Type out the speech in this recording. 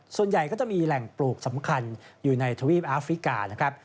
ส่วนใหญ่ก็จะมีแหล่งปลูกสำคัญอยู่ในทวีปอาฟริกานะครับ